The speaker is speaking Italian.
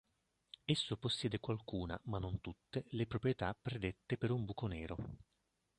Esso possiede qualcuna, ma non tutte, le proprietà predette per un buco nero.